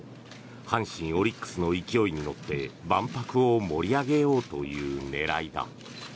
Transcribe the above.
阪神、オリックスの勢いに乗って万博を盛り上げようという狙いだ。